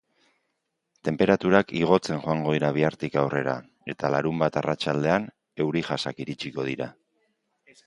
Tenperaturak igotzen joango dira bihartik aurrera, eta larunbat arratsaldean euri-jasak iritsiko dira.